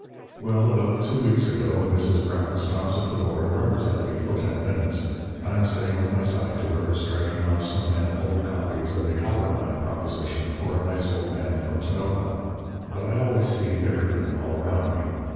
"Well, about two weeks ago, Mrs. Brown stops at the door and rubbers at me for ten minutes. I'm sitting with my side to her, striking off some manifold copies of a copper mine proposition for a nice old man from Tonopah. But I always see everything all around me.